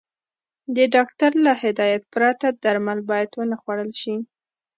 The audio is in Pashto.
د ډاکټر له هدايت پرته درمل بايد ونخوړل شي.